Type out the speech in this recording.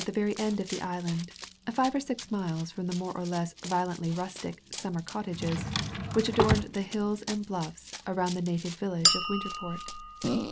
the very end of the island, five or six miles from the more or less violently rustic "summer cottages" which adorned the hills and blufifs around the native village of Winterport.